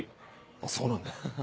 あっそうなんだ。